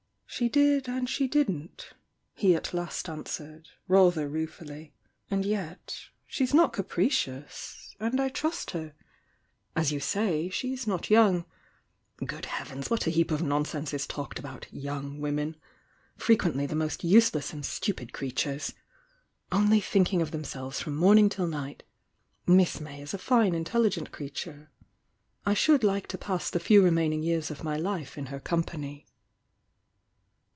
"She did and she didn't," he at last answered, rather ruefully, "And yet — she's not capricious — THE YOUNG DIANA 269 and I trust her. As you say, she's not young,— t^ heavens, what a heap of nonsense is talked about young' women!— frequently the most useless and stupid creatures!— only thinking of themselves from mommg till night!— Miss May is a fine, intelli gent creature— I should like to pass the few remain mg years of my life in her company."